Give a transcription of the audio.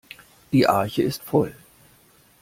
Die Arche ist voll.